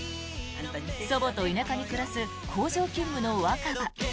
祖母と田舎に暮らす工場勤務の若葉。